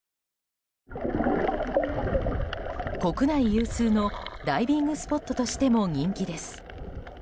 国内有数のダイビングスポットとしても人気です。